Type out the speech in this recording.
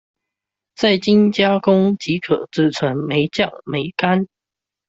再經加工即可製成梅醬、梅乾